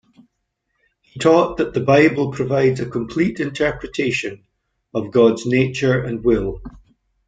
He taught that the Bible provides a complete interpretation of God's nature and will.